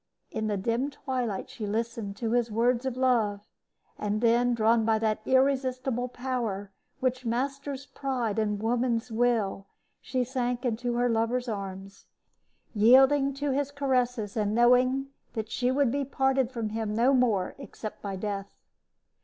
In the dim twilight she listened to his words of love; and then, drawn by that irresistible power which masters pride and woman's will, she sank into her lover's arms, yielding to his caresses, and knowing that she would be parted from him no more except by death.